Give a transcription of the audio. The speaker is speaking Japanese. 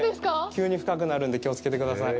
急に深くなるので、気をつけてください。